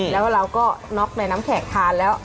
แล้วเราก็น็อกในน้ำแขกทานแล้ว